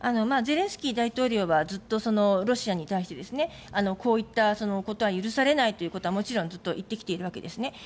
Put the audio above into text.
ゼレンスキー大統領はずっとロシアに対してこういったことは許されないというこはもちろんずっと言ってきているわけですね。